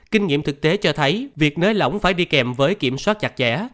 kinh nghiệm thực tế cho thấy việc nới lỏng phải đi kèm với kiểm soát chặt chẽ